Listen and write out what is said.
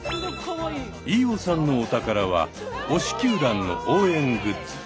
飯尾さんのお宝は推し球団の応援グッズ。